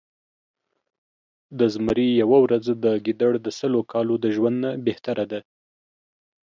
د زمري يؤه ورځ د ګیدړ د سلو کالو د ژؤند نه بهتره ده